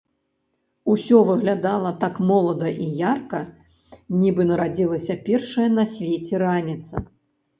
Усё выглядала так молада і ярка, нібы нарадзілася першая на свеце раніца.